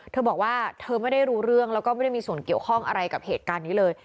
เธอบอกว่าเธอไม่ได้รู้เรื่องแล้วก็ไม่ได้มีส่วนเกี่ยวข้องอะไรกับเหตุการณ์นี้เลย